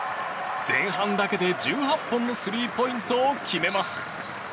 前半だけで１８本のスリーポイントを決めます。